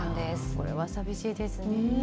これは寂しいですね。